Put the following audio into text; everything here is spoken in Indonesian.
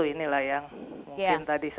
inilah yang mungkin tadi